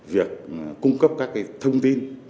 việc cung cấp các cái thông tin